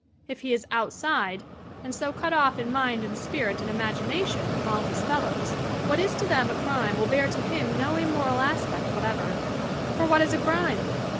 If he is "outside" and so cut off in mind and spirit and imagination from all his fellows, what is to them a crime will bear to him no immoral aspect whatever. For what is a crime?